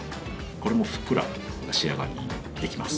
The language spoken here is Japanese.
これもふっくらな仕上がりにできます。